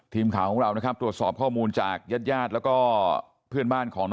ทีมข่าวของเรานะครับตรวจสอบข้อมูลจากญาติญาติแล้วก็เพื่อนบ้านของน้อง